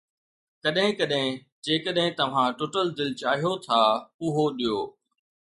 ڪڏهن ڪڏهن، جيڪڏهن توهان ٽٽل دل چاهيو ٿا، اهو ڏيو